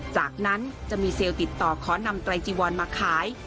จากนั้นจะมีเซลล์ติดต่อขอนำไตรจีวอนมาขาย